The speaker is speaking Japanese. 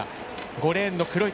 ５レーンの鄭濤。